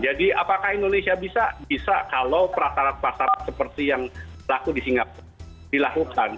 jadi apakah indonesia bisa bisa kalau prasarat prasarat seperti yang terlaku di singapura dilakukan